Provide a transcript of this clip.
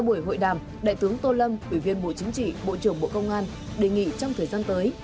buổi hội đàm đại tướng tô lâm ủy viên bộ chính trị bộ trưởng bộ công an đề nghị trong thời gian tới